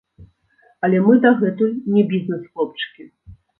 Але мы дагэтуль не бізнэс-хлопчыкі.